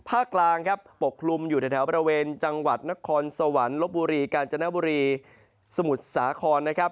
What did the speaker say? ภาคกลางปกลุ่มอยู่ในแถวบริเวณจังหวัดนครสวรรค์ลบบุรีกาลจนบุรีสมุทรสาคร